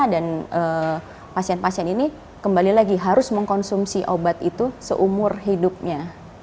dan pasien pasien ini kembali lagi harus mengkonsumsi obat itu seumur hidupnya